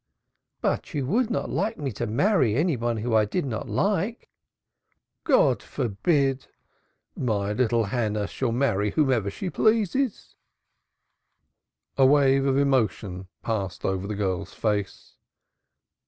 "But you would not like me to marry any one I did not like." "God forbid! My little Hannah shall marry whomever she pleases." A wave of emotion passed over the girl's face.